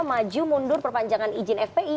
maju mundur perpanjangan izin fpi